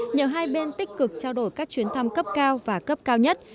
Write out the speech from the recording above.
nhờ hai bên tích cực trao đổi các chuyến thăm cấp cao và cấp cao nhất